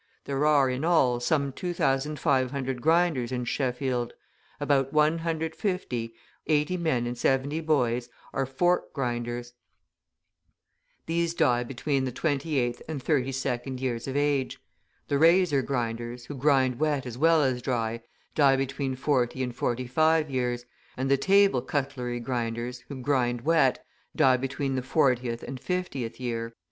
There are, in all, some 2,500 grinders in Sheffield. About 150 (80 men and 70 boys) are fork grinders; these die between the twenty eighth and thirty second years of age. The razor grinders, who grind wet as well as dry, die between forty and forty five years, and the table cutlery grinders, who grind wet, die between the fortieth and fiftieth year."